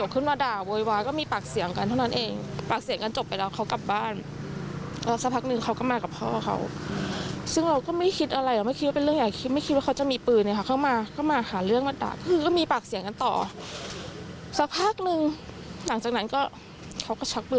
คุณผู้ชมปัญหาที่มันยืดเยื้อมายาวนานก็เรื่องการแบ่งที่ดินแถวนั้นเนี่ยแหละนะครับ